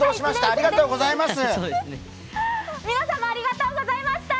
ありがとうございます。